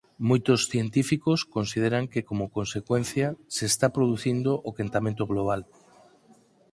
Moitos científicos consideran que como consecuencia se está producindo o quentamento global.